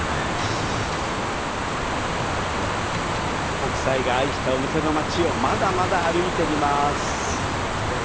北斎が愛した小布施の町をまだまだ歩いてみます。